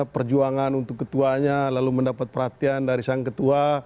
perjuangan untuk ketuanya lalu mendapat perhatian dari sang ketua